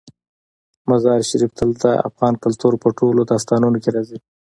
مزارشریف تل د افغان کلتور په ټولو داستانونو کې راځي.